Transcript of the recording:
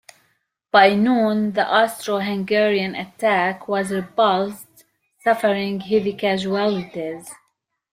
By noon, the Austro-Hungarian attack was repulsed, suffering heavy casualties.